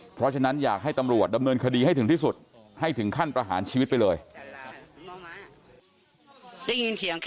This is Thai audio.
เพราะฉะนั้นอยากให้ตำรวจดำเนินคดีให้ถึงที่สุดให้ถึงขั้นประหารชีวิตไปเลย